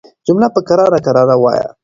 جمله په کراره کراره وايه